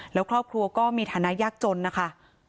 แล้วครอบครัวก็มีฐานะยากจนนะคะ